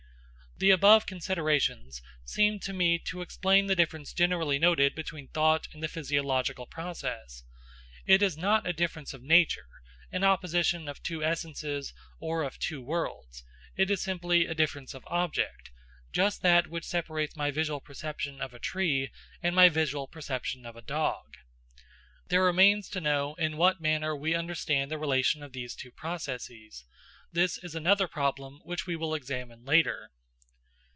The above considerations seem to me to explain the difference generally noticed between thought and the physiological process. It is not a difference of nature, an opposition of two essences, or of two worlds it is simply a difference of object; just that which separates my visual perception of a tree and my visual perception of a dog. There remains to know in what manner we understand the relation of these two processes: this is another problem which we will examine later.